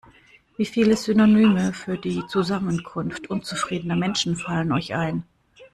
Wie viele Synonyme für die Zusammenkunft unzufriedener Menschen fallen euch ein?